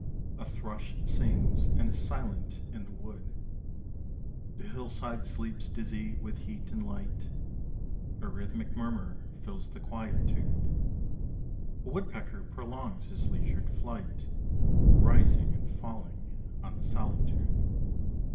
A thrush sings and is silent in the wood; The hillside sleeps dizzy with heat and light; A rhythmic murmur fills the quietude; A woodpecker prolongs his leisured flight, Rising and falling on the solitude.